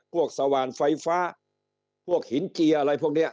สว่านไฟฟ้าพวกหินเจียอะไรพวกนี้